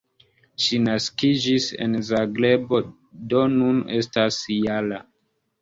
Ŝi naskiĝis en Zagrebo, do nun estas -jara.